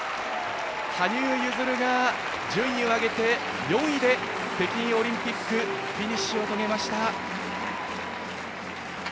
羽生結弦が順位を上げて、４位で北京オリンピックフィニッシュを遂げました。